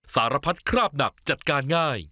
สารพัดคราบหนักจัดการง่าย